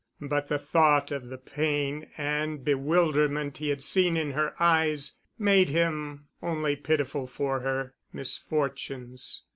But the thought of the pain and bewilderment he had seen in her eyes made him only pitiful for her misfortunes.